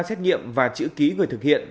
xét nghiệm và chữ ký người thực hiện